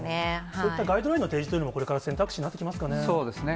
そういったガイドラインの提示というのも、これから選択肢にそうですね。